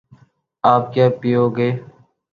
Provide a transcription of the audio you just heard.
آپ کیا پیو گے